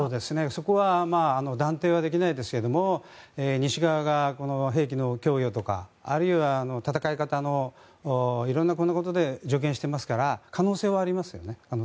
そこが断定はできないですが西側が兵器の供与とかあるいは戦い方の色んなことを助言していますから可能性はありますよね。